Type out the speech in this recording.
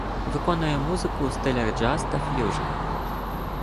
Виконує музику у стилях джаз та ф'южн.